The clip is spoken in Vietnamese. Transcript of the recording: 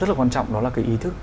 rất là quan trọng đó là cái ý thức